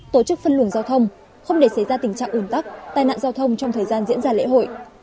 tổ chức phân luồng giao thông không để xảy ra tình trạng ủn tắc tai nạn giao thông trong thời gian diễn ra lễ hội